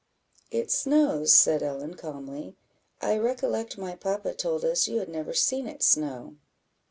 "It snows," said Ellen, calmly; "I recollect my papa told us you had never seen it snow."